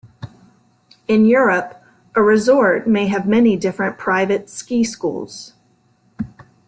In Europe, a resort may have many different private ski schools.